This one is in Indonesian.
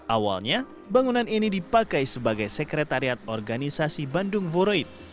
awalnya bangunan ini dipakai sebagai sekretariat organisasi bandung voroit